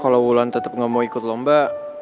kalau wulan tetap nggak mau ikut lomba